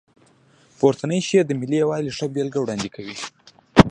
پورتنی شعر د ملي یووالي ښه بېلګه وړاندې کړې.